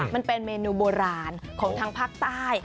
มันเป็นเมนูโบราณของทางภาคใต้